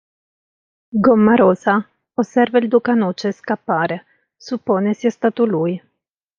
Gommarosa osserva il Duca Noce scappare, suppone sia stato lui.